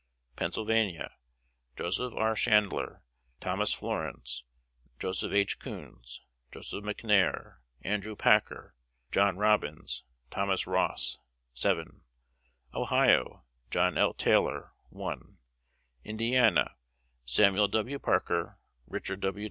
Pennsylvania: Joseph R. Chandler, Thomas Florence, Joseph H. Kuhns, Joseph McNair, Andrew Packer, John Robbins, Thomas Ross 7. Ohio: John L. Taylor 1. Indiana: Sam'l W. Parker, Richard W.